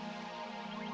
ya aku mau masuk dulu ya